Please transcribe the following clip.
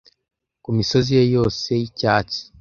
Ku misozi ye yose y'icyatsi,